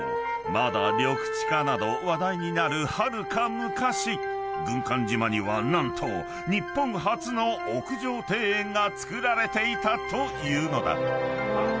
まだ緑地化など話題になるはるか昔軍艦島には何と日本初の屋上庭園が造られていたというのだ］